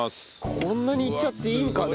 こんなにいっちゃっていいんかね？